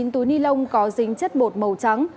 một mươi chín túi ni lông có dính chất bột màu trắng